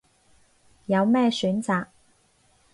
有咩選擇